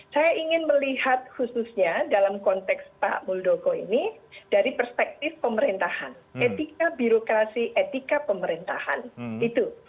saya ingin melihat khususnya dalam konteks pak muldoko ini dari perspektif pemerintahan etika birokrasi etika pemerintahan itu